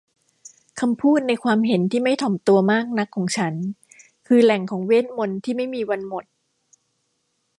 คำพูดในความเห็นที่ไม่ถ่อมตัวมากนักของฉันคือแหล่งของเวทมนตร์ที้ไม่มีวันหมด